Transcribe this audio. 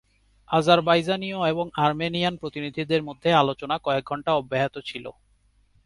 আজারবাইজানীয় এবং আর্মেনিয়ান প্রতিনিধিদের মধ্যে আলোচনা কয়েক ঘণ্টা অব্যাহত ছিল।